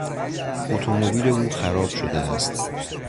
اتومبیل او خراب شده است.